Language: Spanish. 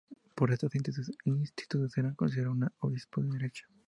Por estas actitudes era considerado un "obispo de derecha".